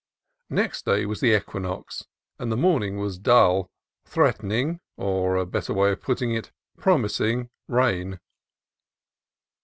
Next day was the equinox, and the morning was dull, threatening (or, a better way of putting it, promising) rain.